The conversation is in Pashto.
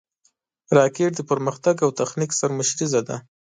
راکټ د پرمختګ او تخنیک سرمشریزه ده